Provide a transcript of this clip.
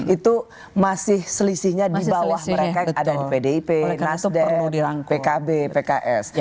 itu masih selisihnya di bawah mereka yang ada di pdip nasdem pkb pks